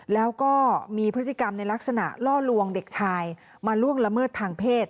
แล้วก็มีพฤติกรรมในลักษณะล่อลวงเด็กชายมาล่วงละเมิดทางเพศ